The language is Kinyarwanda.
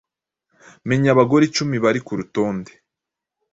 Menya abagore icumi bari ku rutonde